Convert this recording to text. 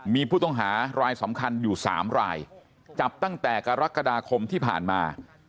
มีผู้ต้องหารายสำคัญอยู่๓รายจับตั้งแต่กรกฎาคมที่ผ่านมา